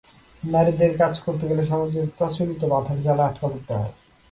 নারীদের কাজ করতে গেলে সমাজের প্রচলিত বাধার জালে আটকে পড়তে হয়।